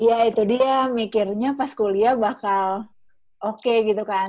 iya itu dia mikirnya pas kuliah bakal oke gitu kan